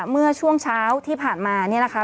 เมื่อช่วงเช้าที่ผ่านมาเนี่ยนะคะ